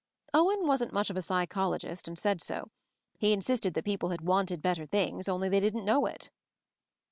Owen wasn't much of a psychologist, and said so. He insisted that people had wanted better things, only they did not know it.